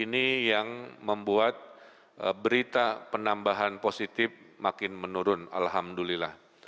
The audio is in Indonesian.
ini yang membuat berita penambahan positif makin menurun alhamdulillah